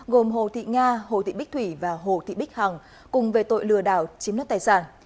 gồm hồ thị nga hồ thị bích thủy và hồ thị bích hằng cùng về tội lừa đảo chiếm đất tài sản